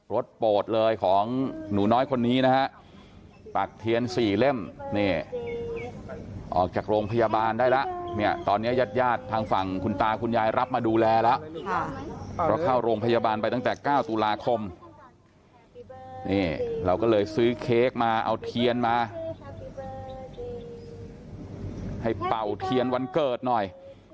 โปรดเลยของหนูน้อยคนนี้นะฮะปักเทียน๔เล่มนี่ออกจากโรงพยาบาลได้แล้วเนี่ยตอนนี้ญาติญาติทางฝั่งคุณตาคุณยายรับมาดูแลแล้วก็เข้าโรงพยาบาลไปตั้งแต่๙ตุลาคมนี่เราก็เลยซื้อเค้กมาเอาเทียนมาให้เป่าเทียนวันเกิดหน่อย